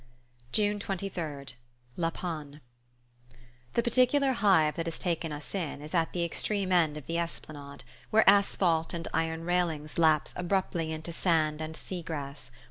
June 23rd LA PANNE. The particular hive that has taken us in is at the extreme end of the esplanade, where asphalt and iron railings lapse abruptly into sand and sea grass.